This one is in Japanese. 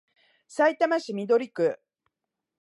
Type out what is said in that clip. さいたま市緑区